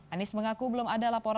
anies mengaku belum ada laporan